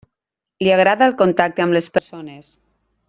Li agrada el contacte amb les persones.